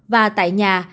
và tại nhà